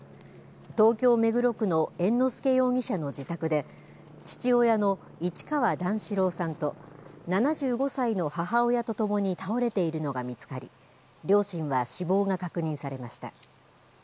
東京・目黒区の猿之助容疑者の自宅で、父親の市川段四郎さんと７５歳の母親とともに倒れているのが見つかり、両親は死亡が確認されました。